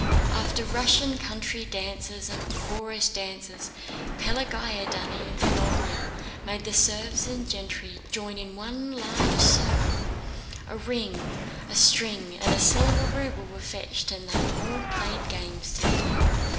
After Russian country dances and chorus dances, Pelagéya Danílovna made the serfs and gentry join in one large circle: a ring, a string, and a silver ruble were fetched and they all played games together.